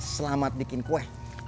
selamat bikin kue